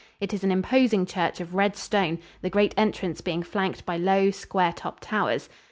It is an imposing church of red stone, the great entrance being flanked by low, square topped towers.